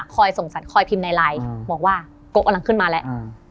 ค่อยสงสัตว์ค่อยพิมพ์ในไลน์วาวะเก้าคืนมาแล้ว